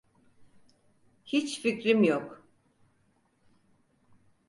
Hiç fikrim yok.